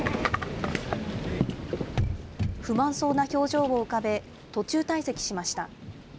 不満そうな表情を浮かべ、途中退席しました。